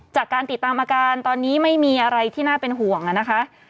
จากการติดตามอาการตอนนี้ไม่มีอะไรที่น่าเป็นห่วงนะคะ